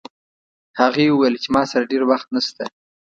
هغې وویل چې ما سره ډېر وخت نشته